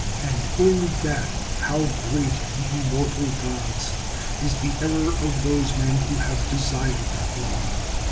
And in that how great, ye immortal gods ! is the error of those men who have desired that law.